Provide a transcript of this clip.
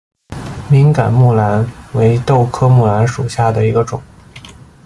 敏感木蓝为豆科木蓝属下的一个种。